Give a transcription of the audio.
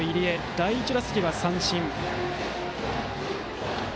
第１打席は三振。